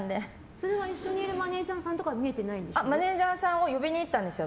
それは一緒にいるマネジャーさんとかにはマネジャーさんを呼びに行ったんですよ。